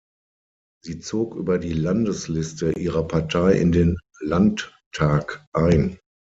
Sie zog über die Landesliste ihrer Partei in den Landtag ein.